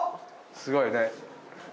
すごいね。